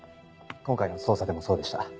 今回の捜査でもそうでした。